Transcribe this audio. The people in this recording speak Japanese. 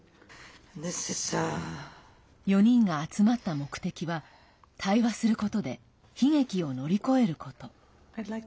４人が集まった目的は対話することで悲劇を乗り越えること。